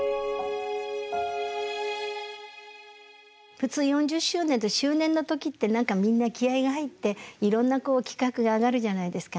普通４０周年って周年の時って何かみんな気合いが入っていろんなこう企画が上がるじゃないですか。